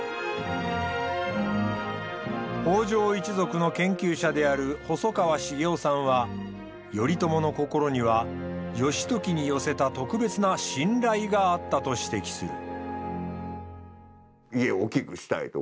北条一族の研究者である細川重男さんは頼朝の心には義時に寄せた特別な信頼があったと指摘する。